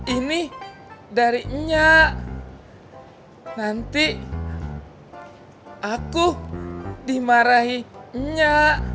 ini dari nya nanti aku dimarahi nya